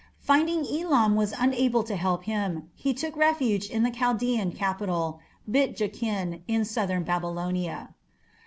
Finding Elam was unable to help him, he took refuge in the Chaldaean capital, Bit Jakin, in southern Babylonia.